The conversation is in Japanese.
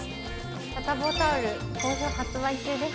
サタボータオル、好評発売中です。